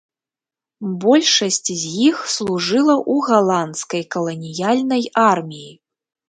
Большасць з іх служыла ў галандскай каланіяльнай арміі.